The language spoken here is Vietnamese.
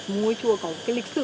ngôi chùa có cái lịch sử